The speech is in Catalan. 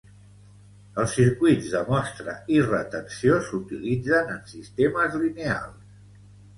Els circuits de mostra i retenció s'utilitzen en sistemes lineals.